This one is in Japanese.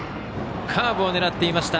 カーブを狙っていました。